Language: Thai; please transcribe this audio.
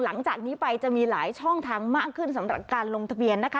หลังจากนี้ไปจะมีหลายช่องทางมากขึ้นสำหรับการลงทะเบียนนะคะ